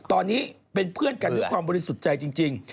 ตอนนี้เป็นเพื่อนกันด้วยความบริสุทธิ์ใจจริง